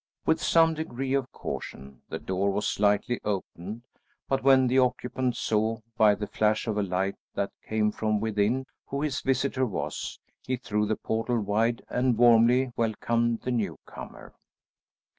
With some degree of caution the door was slightly opened, but when the occupant saw, by the flash of light that came from within, who his visitor was, he threw the portal wide and warmly welcomed the newcomer.